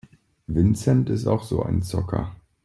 Vincent ist auch so ein Zocker.